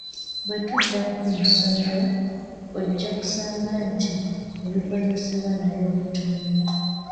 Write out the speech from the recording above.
Bwe tuddako mu masomero, ojja kusanga nti ebikozesebwa nabyo bitono.